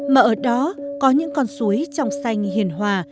mà ở đó có những con suối trong xanh hiền hòa